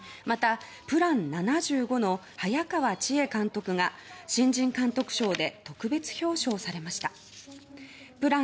また「ＰＬＡＮ７５」の早川千絵監督が新人監督賞で特別表彰されました。